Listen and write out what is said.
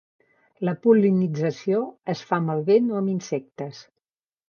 La pol·linització es fa amb el vent o amb insectes.